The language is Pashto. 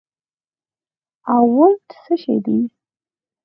او ولټ څه شي دي